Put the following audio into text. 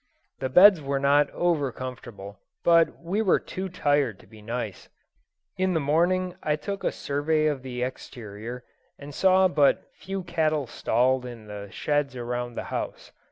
The beds were not over comfortable, but we were too tired to be nice. In the morning I took a survey of the exterior, and saw but few cattle stalled in the sheds around the house.